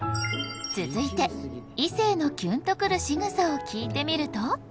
続いて異性のキュンとくる仕草を聞いてみると？